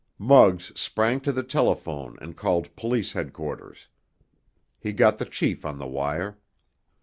Muggs sprang to the telephone and called police headquarters. He got the chief on the wire.